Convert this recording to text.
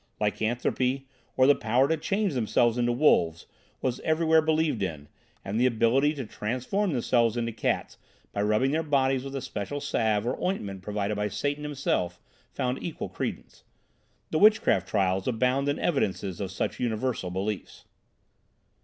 Lycanthropy, or the power to change themselves into wolves, was everywhere believed in, and the ability to transform themselves into cats by rubbing their bodies with a special salve or ointment provided by Satan himself, found equal credence. The witchcraft trials abound in evidences of such universal beliefs."